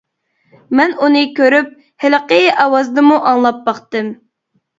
مەن ئۇنى كۆرۈپ، ھېلىقى ئاۋازنىمۇ ئاڭلاپ باقتىم.